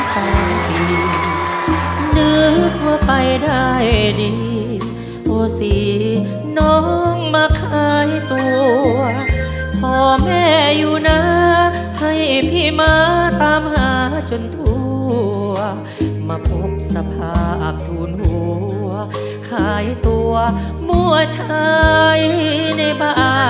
ตัดสินใจใช้ตัวช่วยครับ